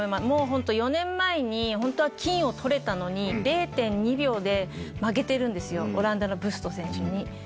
もう本当、４年前に、本当は金をとれたのに、０．２秒で負けているんですよ、オランダのブスト選手に。